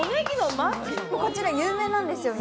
こちら有名なんですよ。